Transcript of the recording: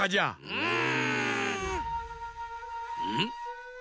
うん？